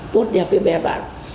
tốt đẹp với mẹ bạn